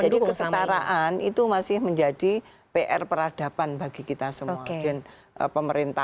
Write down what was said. jadi kesetaraan itu masih menjadi pr peradaban bagi kita semua